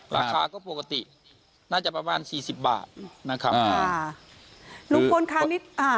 ราคาก็ปกติน่าจะประมาณสี่สิบบาทนะครับอ่าลุงพลค่ะนิดอ่า